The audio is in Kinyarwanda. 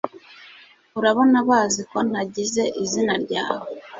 Urabona bazi ko ntagize izina ryawe